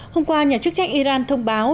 hôm qua nhà chức trách iran thông báo